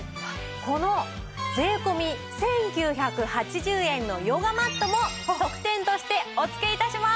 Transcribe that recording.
この税込１９８０円のヨガマットも特典としてお付け致します！